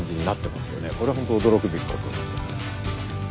これはホント驚くべきことだと思います。